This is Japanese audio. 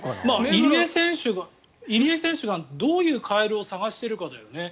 入江選手がどういうカエルを探しているかだよね。